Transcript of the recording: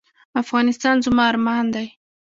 افغانستان زما ارمان دی؟